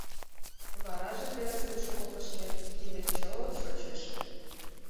Вараже терысым шуко кышкен, кинде чот шочеш.